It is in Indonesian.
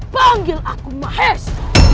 panggil aku mahes